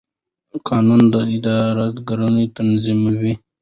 قانون د ادارې کړنې تنظیموي.